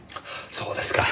そうですか。